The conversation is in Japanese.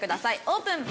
オープン。